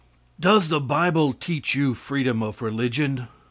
Does the bible teach you freedom of religion?